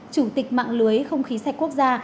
chủ tịch mạng lưới không khí sạch quốc gia